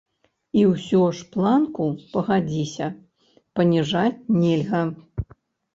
І ўсё ж планку, пагадзіся, паніжаць нельга.